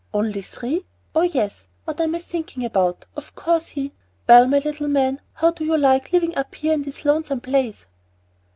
only three! Oh, yes, what am I thinking about; of course he Well, my little man, and how do you like living up here in this lonesome place?"